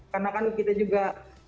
karena kan kita juga